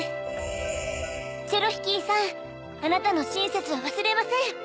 チェロヒキーさんあなたのしんせつはわすれません。